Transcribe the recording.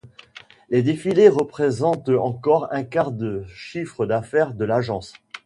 Les défilés représentent encore un quart de chiffre d'affaires de l'agence.